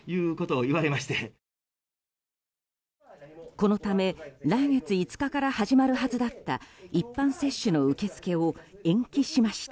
このため来月５日から始まるはずだった一般接種の受け付けを延期しました。